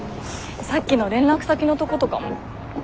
さっきの連絡先のとことかも。